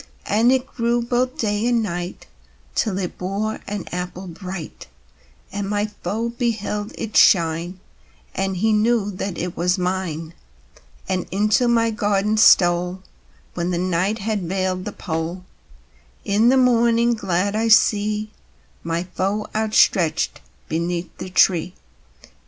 And it grew both day and night, Till it bore an apple bright, And my foe beheld it shine, and he knew that it was mine, And into my garden stole When the night had veiled the pole; In the morning, glad, I see My foe outstretched beneath the tree.